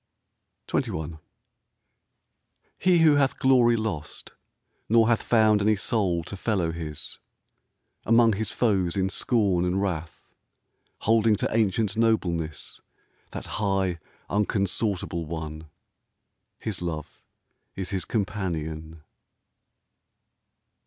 XXI He who hath glory lost, nor hath Found any soul to fellow his, Among his foes in scorn and wrath Holding to ancient nobleness, That high unconsortable one — His love is his companion.